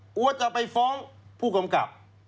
กลัวจะไปฟ้องผู้กำกับ